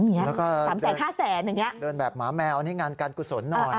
แล้วก็เดินแบบหมาแมวให้งานกันกุศลหน่อย